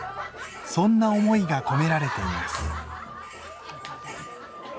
そんな思いが込められています。